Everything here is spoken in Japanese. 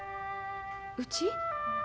うち？